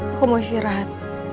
aku mau istirahat